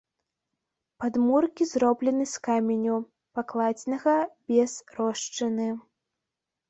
Падмуркі зроблены з каменю, пакладзенага без рошчыны.